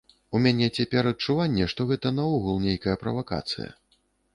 У мяне цяпер адчуванне, што гэта наогул нейкая правакацыя.